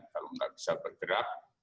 kalau nggak bisa bergerak